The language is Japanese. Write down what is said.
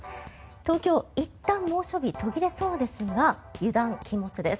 東京、いったん猛暑日は途切れそうですが油断禁物です。